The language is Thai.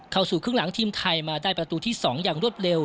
เข้าสู่ครึ่งหลังทีมไทยมาได้ประตูที่๒อย่างรวดเร็ว